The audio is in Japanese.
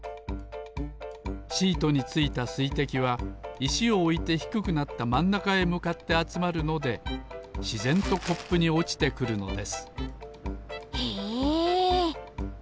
シートについたすいてきはいしをおいてひくくなったまんなかへむかってあつまるのでしぜんとコップにおちてくるのですへえ。